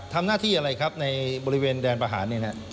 ทำหน้าที่อะไรครับในบริเวณแดนประหารเนี้ยน่ะ